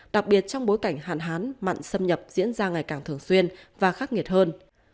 đặc biệt trong bối cảnh hạn hán mặn xâm nhập diễn ra ngày càng thường xuyên và khắc nghiệt hơn